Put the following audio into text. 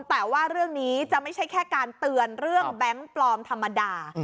แต่ว่าเรื่องนี้จะไม่ใช่แค่การเตือนเรื่องแบงค์ปลอมธรรมดา